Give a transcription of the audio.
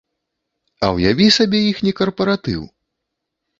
А ўяві сабе іхні карпаратыў?